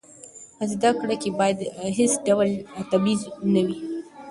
په زده کړه کې باید هېڅ ډول تبعیض نه وي.